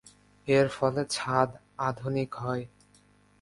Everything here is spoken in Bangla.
এর ফলে ছাদ আধুনিক হয়।